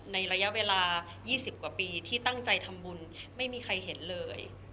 ในระยะเวลา๒๐กว่าปีที่ตั้งใจทำบุญไม่มีใครเห็นเลย